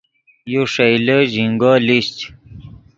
یو ݰئیلے ژینگو لیشچ